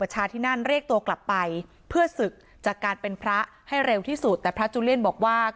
ให้เร็วที่สุดแต่พระจุเลียนบอกว่า